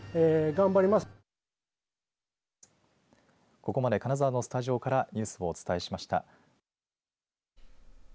ここまで金沢のスタジオからニュースをお伝えしました。